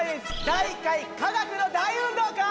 第１回「科学の大運動会！」。